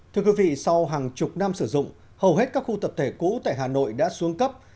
thưa quý vị sau hàng chục năm sử dụng hầu hết các khu tập thể cũ tại hà nội đã xuống cấp